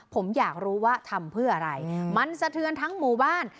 ผมอยากรู้ว่าทำเพื่ออะไรมันสะเทือนทั้งหมู่บ้าน